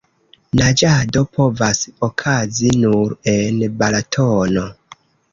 Naĝado povas okazi nur en Balatono.